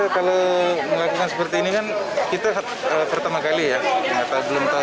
kalau melakukan seperti ini kan kita pertama kali ya belum tahu apa apa